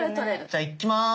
じゃあいきます！